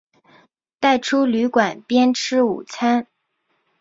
带出旅馆边吃午餐